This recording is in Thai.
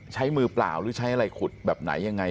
ใช้มือเปล่าหรือใช้อะไรขุดแบบไหนยังไง